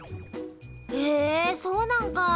へえそうなんか！